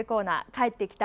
「帰ってきた！